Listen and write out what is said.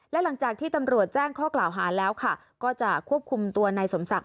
และหลังจากที่ตำรวจแจ้งข้อกล่าวหาแล้วค่ะก็จะควบคุมตัวนายสมศักดิ